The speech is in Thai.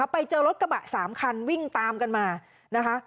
ไปเจอรถกระบะ๓คันวิ่งตามกันมานะคะ